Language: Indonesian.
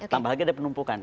tambah lagi ada penumpukan